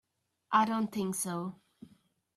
I don't think so.